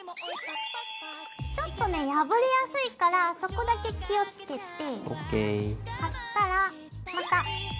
ちょっとね破れやすいからそこだけ気をつけて。